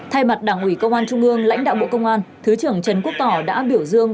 thay mặt đảng ủy công an trung ương lãnh đạo bộ công an thứ trưởng trần quốc tỏ đã biểu dương